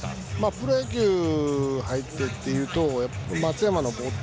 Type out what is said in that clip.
プロ野球に入ってでいうと松山の坊っ